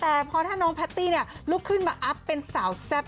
แต่พอถ้าน้องแพตตี้ลุกขึ้นมาอัพเป็นสาวแซ่บ